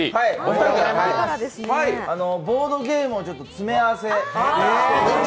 ボードゲームの詰め合わせ。